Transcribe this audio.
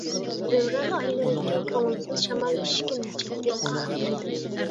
فېۋرال ئايلىرىدىكى كۆڭۈلسىز شامال ئىشىكىمنى چەكتى ئاھ، بىردىن.